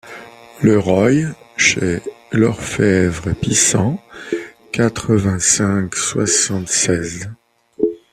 Le Roy chez l’orphebvre Pisan quatre-vingt-cinq soixante-seize.